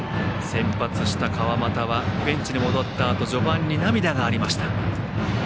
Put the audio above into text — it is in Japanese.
先発した川又はベンチに戻ったあと序盤に涙がありました。